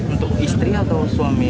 untuk istri atau suami